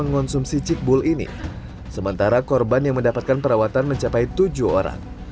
mengonsumsi cikbul ini sementara korban yang mendapatkan perawatan mencapai tujuh orang